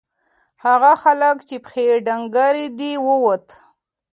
هغه هلک چې پښې یې ډنگرې دي ووت.